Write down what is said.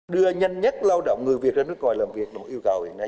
đưa nhanh nhất lao động người việt ra nước ngoài làm việc một yêu cầu hiện nay